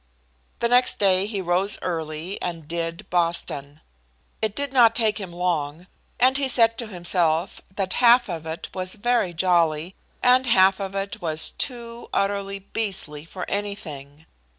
The next day he rose early and "did" Boston. It did not take him long, and he said to himself that half of it was very jolly, and half of it was too utterly beastly for anything.